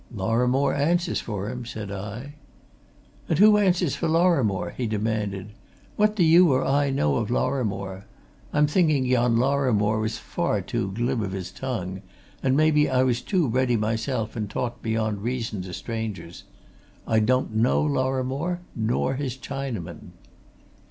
"Lorrimore answers for him," said I. "And who answers for Lorrimore?" he demanded. "What do you or I know of Lorrimore? I'm thinking yon Lorrimore was far too glib of his tongue and maybe I was too ready myself and talked beyond reason to strangers. I don't know Lorrimore nor his Chinaman."